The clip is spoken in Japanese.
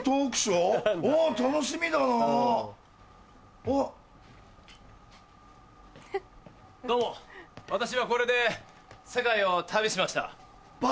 僕はこれで世界を旅しました。